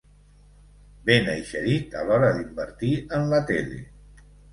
Ben eixerit a l'hora d'invertir en la tele.